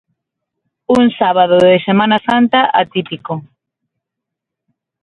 Un sábado de Semana Santa atípico.